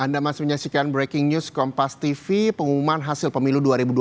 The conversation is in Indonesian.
anda masih menyaksikan breaking news kompas tv pengumuman hasil pemilu dua ribu dua puluh